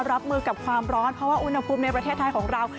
รับมือกับความร้อนเพราะว่าอุณหภูมิในประเทศไทยของเรา